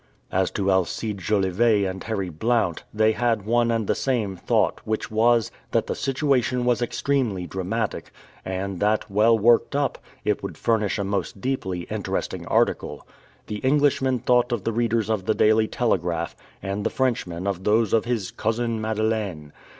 As to Alcide Jolivet and Harry Blount, they had one and the same thought, which was, that the situation was extremely dramatic, and that, well worked up, it would furnish a most deeply interesting article. The Englishman thought of the readers of the Daily Telegraph, and the Frenchman of those of his Cousin Madeleine.